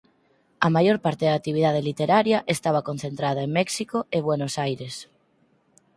A maior parte da actividade literaria estaba concentrada en México e Buenos Aires.